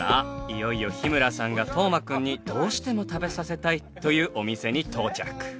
いよいよ日村さんが斗真くんにどうしても食べさせたいというお店に到着。